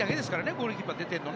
ゴールキーパーが出たの。